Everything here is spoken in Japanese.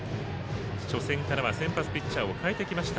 初戦からは先発ピッチャーをかえてきました。